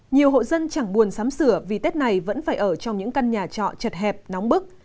nhiều hộ dân chẳng buồn sắm sửa vì tết này vẫn phải ở trong những căn nhà trọ chật hẹp nóng bức